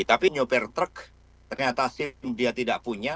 tapi nyopir truk ternyata sim dia tidak punya